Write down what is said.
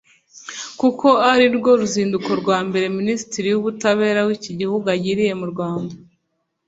kuko ari rwo ruzinduko rwa mbere minisitiri w’ubutabera w’iki gihugu agiriye mu Rwanda